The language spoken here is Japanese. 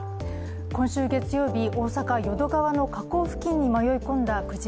今週月曜日、大阪・淀川の河口付近に迷い込んだクジラ